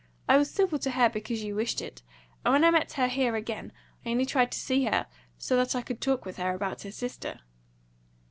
I was civil to her because you wished it; and when I met her here again, I only tried to see her so that I could talk with her about her sister."